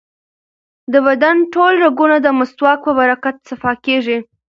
د بدن ټول رګونه د مسواک په برکت صفا کېږي.